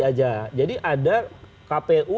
aja jadi ada kpu